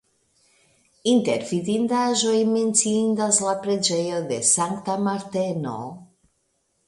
Inter vidindaĵoj menciindas la preĝejo de Sankta Marteno.